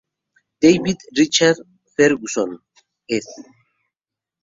David Richard Ferguson, ed.